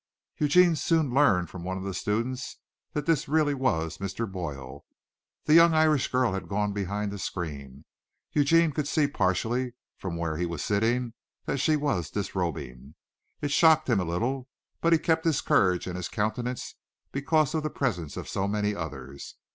Eugene soon learned from one of the students that this really was Mr. Boyle. The young Irish girl had gone behind the screen. Eugene could see partially, from where he was sitting, that she was disrobing. It shocked him a little, but he kept his courage and his countenance because of the presence of so many others.